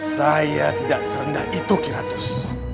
saya tidak serendah itu kiratus